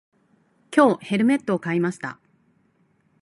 今日、ヘルメットを買いました。